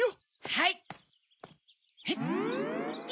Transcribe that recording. はい！